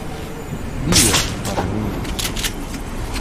Beaver" para niños.